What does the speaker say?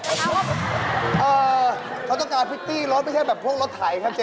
เขาต้องการพริตตี้รถไม่ใช่แบบพวกรถไถครับเจ๊